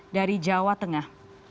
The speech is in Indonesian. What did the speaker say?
dari jawa tengah